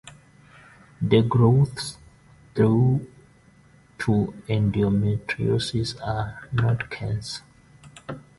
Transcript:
The growths due to endometriosis are not cancer.